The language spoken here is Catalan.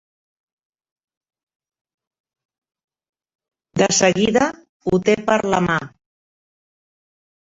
De seguida ho té per la mà.